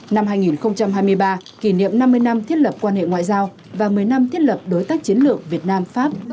năm hai nghìn hai mươi ba kỷ niệm năm mươi năm thiết lập quan hệ ngoại giao và một mươi năm thiết lập đối tác chiến lược việt nam pháp